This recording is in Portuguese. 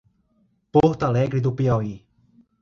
Porto Alegre do Piauí